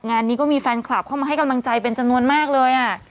งานนี้ก็มีแฟนคลับเข้ามาให้กำลังใจเป็นจำนวนมากเลย